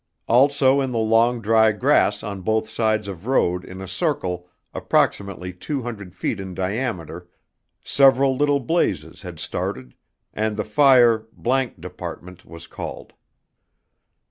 ALSO IN THE LONG DRY GRASS ON BOTH SIDES OF ROAD IN A CIRCLE APPROXIMATELY TWO HUNDRED FEET IN DIAMETER SEVERAL LITTLE BLAZES HAD STARTED AND THE FIRE ____ DEPT. WAS CALLED.